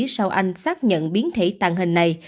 sau anh xác nhận biến thể tàn hình này